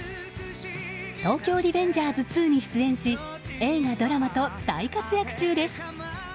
「東京リベンジャーズ２」に出演し映画ドラマと大活躍中です。